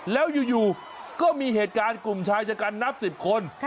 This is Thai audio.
แล้วอยู่ก็มีเหตุการณ์กลุ่มชายชะกันนับ๑๐คน